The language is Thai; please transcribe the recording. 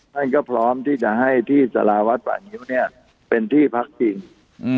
ท่านก็พร้อมที่จะให้ที่สาราวัดป่างิ้วเนี้ยเป็นที่พักจริงอืม